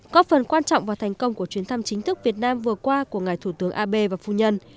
có phần quan trọng vào thành công của chuyến thăm chính thức việt nam vừa qua của ngài thủ tướng abe và phu nhân